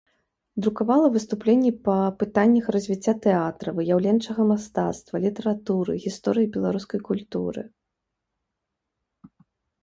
Друкавала выступленні па пытаннях развіцця тэатра, выяўленчага мастацтва, літаратуры, гісторыі беларускай культуры.